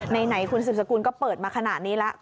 ไหนคุณสืบสกุลก็เปิดมาขนาดนี้แล้ว